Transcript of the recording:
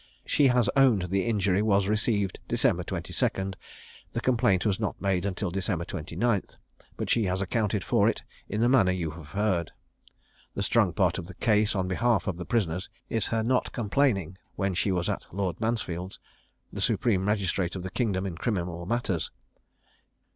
She has owned the injury was received December 22; the complaint was not made till December 29; but she has accounted for it in the manner you have heard. The strong part of the case on behalf of the prisoners is her not complaining when she was at Lord Mansfield's, the supreme magistrate of the kingdom in criminal matters.